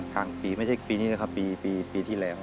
กลางปีไม่ใช่ปีนี้นะครับปีที่แล้ว